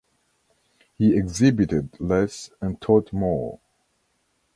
He exhibited less and taught more.